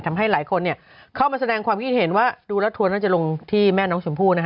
ทำให้หลายคนเข้ามาแสดงความคิดเห็นว่าดูแล้วทัวร์น่าจะลงที่แม่น้องชมพู่นะฮะ